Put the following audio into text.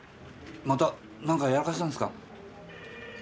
また何かやらかしたんですか？